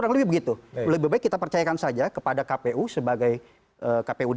lebih baik kita percayakan saja kepada kpu sebagai kpud